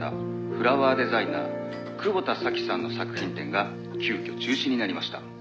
フラワーデザイナー窪田沙希さんの作品展が急遽中止になりました」